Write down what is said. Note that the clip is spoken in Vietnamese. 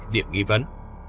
điểm nghi vấn